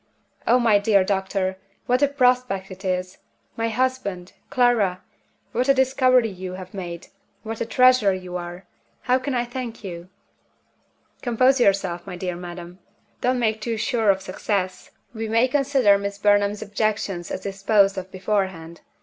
Oh, my dear doctor, what a prospect it is! My husband! Clara! What a discovery you have made what a treasure you are! How can I thank you?" "Compose yourself, my dear madam. Don't make too sure of success. We may consider Miss Burnham's objections as disposed of beforehand.